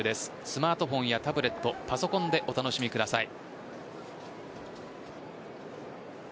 スマートフォンやタブレットパソコンでお楽しみください。